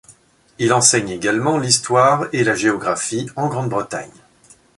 Elle enseigne également l’histoire et la géographie en Grande-Bretagne.